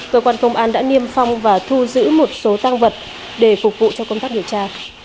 cơ quan công an đã niêm phong và thu giữ một số tăng vật để phục vụ cho công tác điều tra